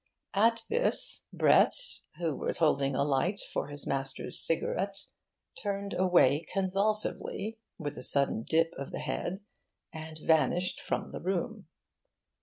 At this, Brett, who was holding a light for his master's cigarette, turned away convulsively, with a sudden dip of the head, and vanished from the room.